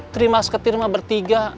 terima seketir mah bertiga